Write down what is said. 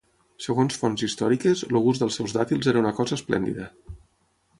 Segons fonts històriques, el gust dels seus dàtils era una cosa esplèndida.